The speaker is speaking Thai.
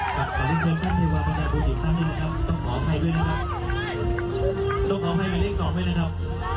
ต้องขออภัยด้วยนะครับต้องขออภัยเป็นเลขสองด้วยนะครับ